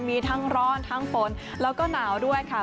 มีทั้งร้อนทั้งฝนแล้วก็หนาวด้วยค่ะ